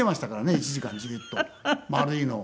１時間じーっと丸いのを。